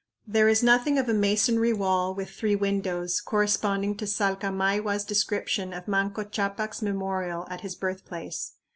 There is nothing of a "masonry wall with three windows" corresponding to Salcamayhua's description of Manco Ccapac's memorial at his birthplace.